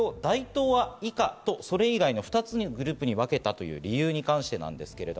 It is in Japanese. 学生を大東亜以下とそれ以外の２つのグループに分けたという理由に関してです。